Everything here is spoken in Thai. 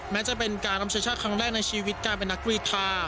มันจะเป็นการทำเชิญชักครั้งแรกในชีวิตการเป็นนักรีธา